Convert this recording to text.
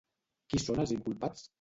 Qui són els inculpats?